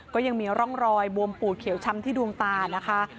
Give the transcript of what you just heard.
ก็ยังมีร่องรอยบวมปูดเขียวช้ำที่ดวงตานะคะ